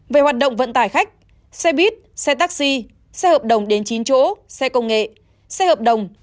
về hoạt động vận tải khách xe buýt xe taxi xe hợp đồng đến chín chỗ xe công nghệ xe hợp đồng